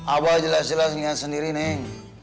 abah jelas jelas liat sendiri neng